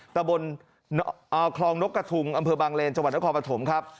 ตะบนคลองนกกระทุงอำเภอบางเลนจังหวัดนครปฐมครับ